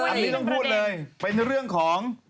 อันนี้ต้องพูดเลยเป็นเรื่องของ